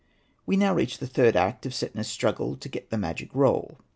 We now reach the third act, of Setna's struggle to get the magic roll.